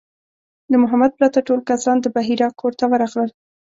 له محمد پرته ټول کسان د بحیرا کور ته ورغلل.